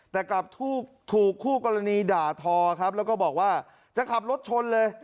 แต่กลับถูกคู่กรณีด่าทอครับแล้วก็บอกว่าจะขับรถชนเลย